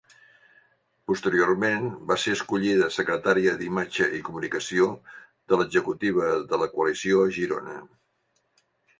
Posteriorment, va ser escollida secretària d'imatge i comunicació de l'executiva de la coalició a Girona.